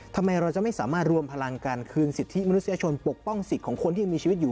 ทำไมเราจะไม่สามารถรวมพลังการคืนสิทธิมนุษยชนปกป้องสิทธิ์ของคนที่ยังมีชีวิตอยู่